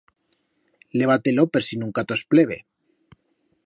Leva-te-lo per si nunca tos pleve.